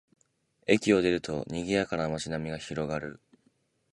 駅を出ると、にぎやかな街並みが広がる